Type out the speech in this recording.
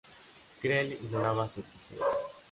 Creel ignoraba su existencia.